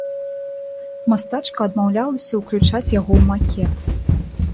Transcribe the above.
Мастачка адмаўлялася ўключаць яго ў макет.